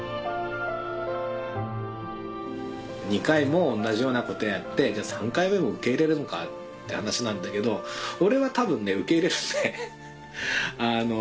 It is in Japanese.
２回も同じようなことやってじゃあ３回目も受け入れるのかって話なんだけど俺は多分ね受け入れるね。